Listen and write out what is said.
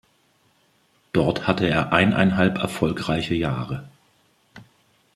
Dort hatte er eineinhalb erfolgreiche Jahre.